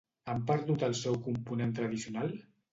Han perdut el seu component tradicional?